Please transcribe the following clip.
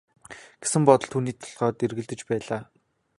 гэсэн бодол түүний толгойд эргэлдэж байлаа.